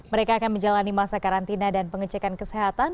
mereka akan menjalani masa karantina dan pengecekan kesehatan